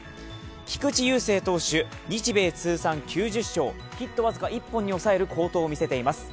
菊池雄星投手、日米通算９０勝ヒット僅か１本に抑える好投を見せています。